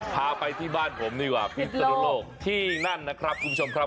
พาไปที่บ้านผมดีกว่าพิศนุโลกที่นั่นนะครับคุณผู้ชมครับ